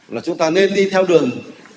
là chúng ta nên đi theo đường